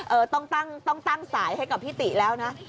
เออต้องตั้งสายให้กับพี่ติแล้วนะ